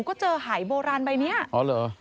ก็เจอหายโบราณใบเนี้ยอ๋อเหรอ